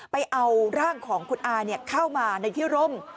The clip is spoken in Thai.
ไปเอาร่างของคุณอาเข้ามาในที่ร่ม